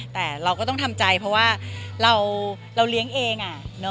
แต่เราก็ต้องทำใจเพราะว่าเราเลี้ยงเอง